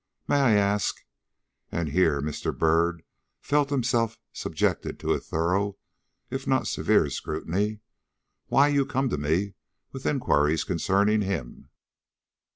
May I ask" and here Mr. Byrd felt himself subjected to a thorough, if not severe, scrutiny "why you come to me with inquiries concerning him?"